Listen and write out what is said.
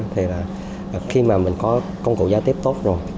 thì là khi mà mình có công cụ giao tiếp tốt rồi